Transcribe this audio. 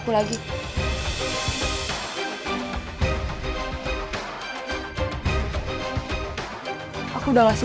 aku mau balikin kunci rumah kontra karena kamu kasih ke aku